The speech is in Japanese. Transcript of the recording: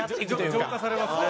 浄化されますね。